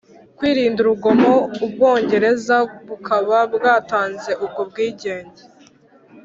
kwirinda urugomo (u bwongereza bukaba bwaratanze ubwo bwigenge